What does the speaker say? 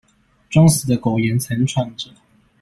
裝死的苟延慘喘著